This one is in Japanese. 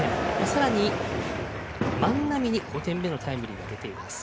さらに万波に５点目のタイムリーが出ています。